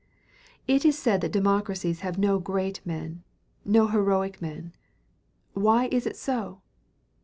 It is said that democracies have no great men, no heroic men. Why is it so?